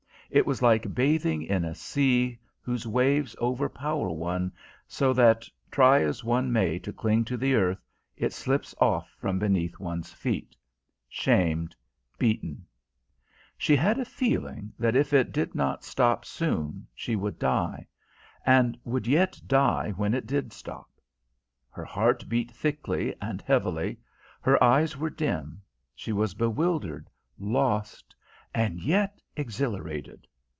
It was like bathing in a sea whose waves overpower one so that, try as one may to cling to the earth, it slips off from beneath one's feet shamed, beaten. She had a feeling that if it did not stop soon she would die; and would yet die when it did stop. Her heart beat thickly and heavily, her eyes were dim; she was bewildered, lost, and yet exhilarated.